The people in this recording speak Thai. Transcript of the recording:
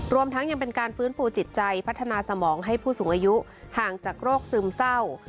รวมทั้งยังเป็นการฟื้นฟูจิตใจพัฒนาสมองให้ผู้สูงอายุห่างจากโรคซึมเศร้า